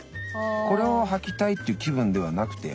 これをはきたいっていう気分ではなくて。